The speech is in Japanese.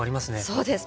そうです。